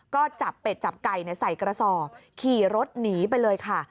ก็จับเป็ดจับไก่ใส่กระสอบขี่รถหนีไปเลยค่ะ